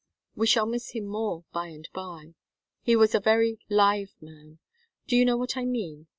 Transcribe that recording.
"We shall miss him more, by and by. He was a very live man. Do you know what I mean?